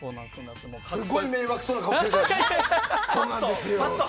すごい迷惑そうな顔してるじゃないですか。